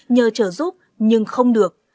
nhờ trở giúp nhưng không được